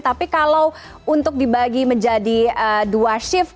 tapi kalau untuk dibagi menjadi dua shift